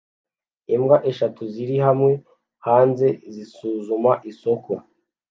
Imbwa eshatu ziri hamwe hanze zisuzuma isoko